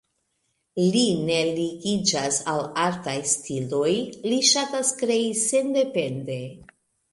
Li ne ligiĝas al artaj stiloj, li ŝatas krei sendepende.